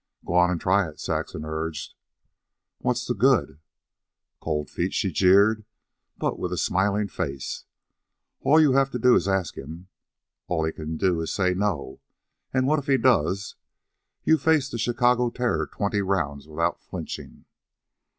"Go on and try it," Saxon urged. "What's the good?" "Cold feet," she jeered, but with a smiling face. "All you have to do is ask him. All he can do is say no. And what if he does? You faced the Chicago Terror twenty rounds without flinching."